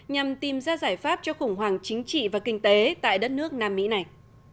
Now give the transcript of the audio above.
nhằm tìm ra giải pháp cho khủng hoảng chính trị và kinh tế tại đất nước nam mỹ này